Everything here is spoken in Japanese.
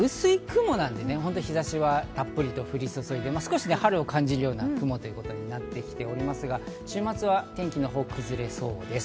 まぁ、薄い雲なんで日差しはたっぷり降り注いで、春を感じるような雲となってきておりますが、週末は天気が崩れそうです。